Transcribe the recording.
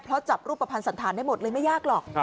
เพราะจับรูปภัณฑ์สันธารได้หมดเลยไม่ยากหรอก